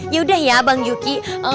yaudah ya bang juki